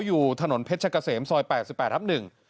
อยู่ถนนเพชรกะเสมซอย๘๘ทับ๑